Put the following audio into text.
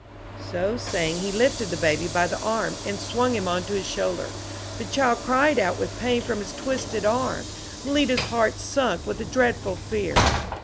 So saying he lifted the baby by the arm and swung him on to his shoulder. The child cried out with pain from its twisted arm. Malita's heart sunk with a dreadful fear.